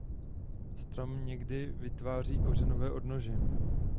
Strom někdy vytváří kořenové odnože.